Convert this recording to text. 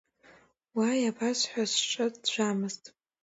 Уа иабасҳәоз, сҿы ӡәӡәамызт!